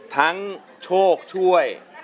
ทั้งโชคช่วย